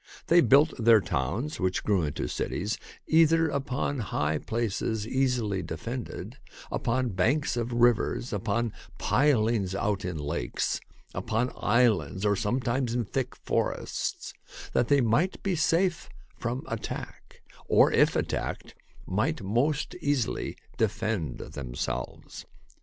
They built their towns, which grew into cities, either upon high places easily defended, upon banks of rivers, upon pilings out in lakes, upon islands, or sometimes in thick forests, that they might be safe from attack, or if attacked, might most easily defend themselves.